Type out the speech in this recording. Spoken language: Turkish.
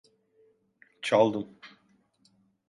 Çaldım.